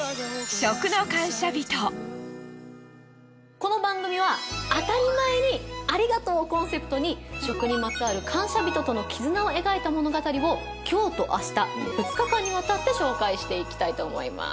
この番組はあたりまえにありがとうをコンセプトに食にまつわる感謝人との絆を描いた物語を今日と明日２日間にわたって紹介していきたいと思います。